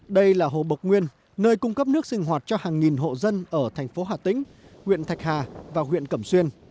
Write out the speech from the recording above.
đây là hồ bộc nguyên nơi cung cấp nước sinh hoạt cho hàng nghìn hộ dân ở thành phố hà tĩnh huyện thạch hà và huyện cẩm xuyên